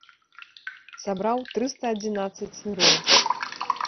Сабраў трыста адзінаццаць сыроў.